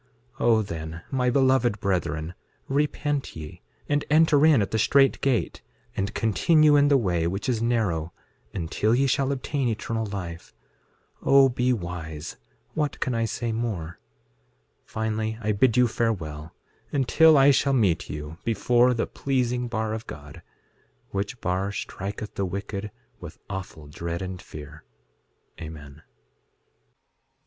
6:11 O then, my beloved brethren, repent ye, and enter in at the strait gate, and continue in the way which is narrow, until ye shall obtain eternal life. 6:12 O be wise; what can I say more? 6:13 Finally, I bid you farewell, until I shall meet you before the pleasing bar of God, which bar striketh the wicked with awful dread and fear. Amen.